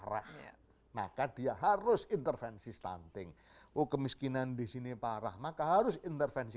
parahnya maka dia harus intervensi stunting kemiskinan di sini parah maka harus intervensi